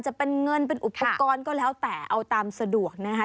จะเป็นเงินเป็นอุปกรณ์ก็แล้วแต่เอาตามสะดวกนะคะ